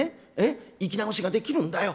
生き直しができるんだよ。